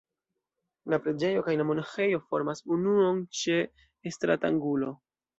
La preĝejo kaj la monaĥejo formas unuon ĉe stratangulo.